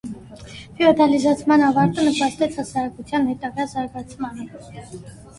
Ֆեոդալիզացման ավարտը նպաստեց հասարակության հետագա զարգացմանը։